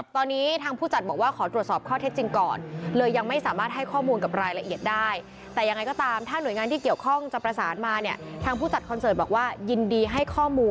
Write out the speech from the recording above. ตอนนี้ทางผู้จัดบอกว่าขอตรวจสอบข้อเท็จจริงก่อนเลยยังไม่สามารถให้ข้อมูลกับรายละเอียดได้